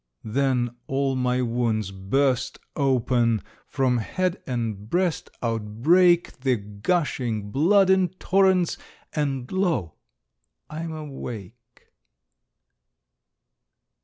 Then all my wounds burst open, From head and breast outbreak The gushing blood in torrents And lo, I am awake!